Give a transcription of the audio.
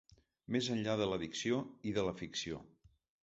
Més enllà de la dicció i de la ficció.